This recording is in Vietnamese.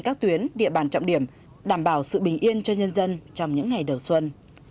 các tuyến địa bàn trọng điểm đảm bảo sự bình yên cho nhân dân trong những ngày đầu xuân